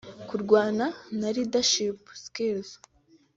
kurwana na leadership skills